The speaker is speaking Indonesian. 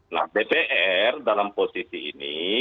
nah dpr dalam posisi ini